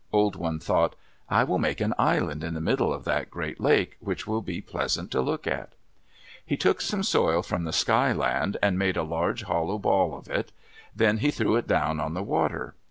Old One thought, "I will make an island in the middle of that great lake, which will be pleasant to look at." He took some soil from the Sky Land, and made a large hollow ball of it. Then he threw it down on the water.